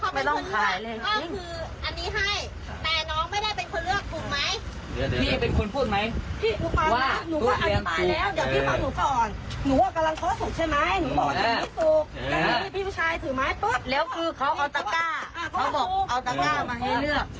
ไม่ไม่เกี่ยวกับว่าตอนซื้อก็บอกว่าจะกินเลย